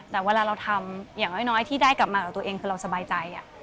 แต่เวลาเราทำอย่างน้อยที่ได้กลับมากับตัวเองคือเราสบายใจ